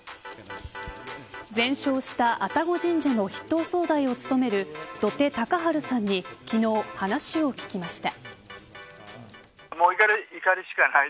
全焼した愛宕神社の筆頭総代を務める土手隆晴さんに昨日、話を聞きました。